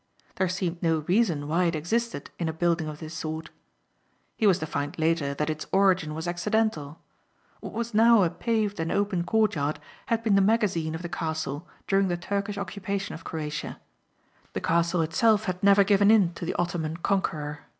There seemed no reason why it existed in a building of this sort. He was to find later that its origin was accidental. What was now a paved and open courtyard had been the magazine of the castle during the Turkish occupation of Croatia. The castle itself had never given in to the Ottoman conqueror.